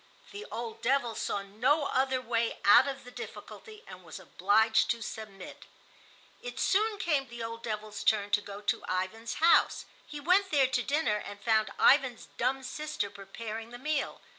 The old devil saw no other way out of the difficulty and was obliged to submit. It soon came the old devil's turn to go to Ivan's house. He went there to dinner and found Ivan's dumb sister preparing the meal.